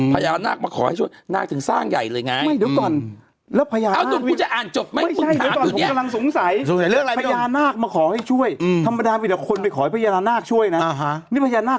ไปดูเรื่องนี้หน่อย